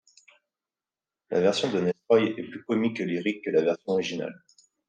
La version de Nestroy est plus comique que lyrique que la version originale.